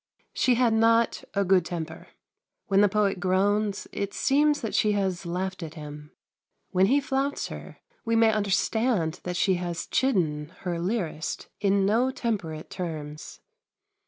She had not a good temper. When the poet groans it seems that she has laughed at him; when he flouts her, we may understand that she has chidden her lyrist in no temperate terms.